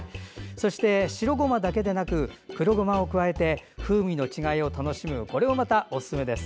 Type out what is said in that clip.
そして、白ごまだけでなく黒ごまを加えて風味の違いを楽しむのもまた、おすすめです。